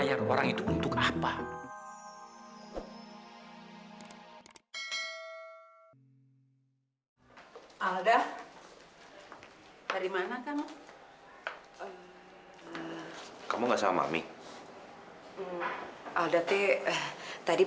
ya sebenernya alda t gak sama mami